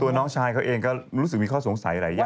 น้องชายเขาเองก็รู้สึกมีข้อสงสัยหลายอย่าง